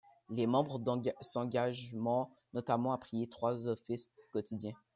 Les membres s'engagement notamment à prier trois offices quotidiens.